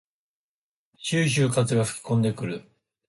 ぴゅうぴゅう風が吹きこんでくる。